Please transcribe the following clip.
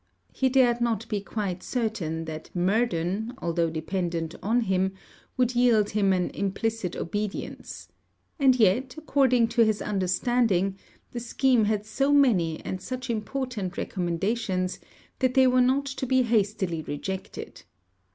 He dared not be quite certain, that Murden, although dependent on him, would yield him an implicit obedience; and yet, according to his understanding, the scheme had so many and such important recommendations, that they were not to be hastily rejected.